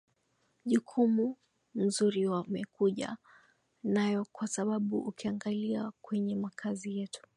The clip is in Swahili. jukumu mzuri wamekuja nayo kwa sababu ukiangalia kwenye makazi yetu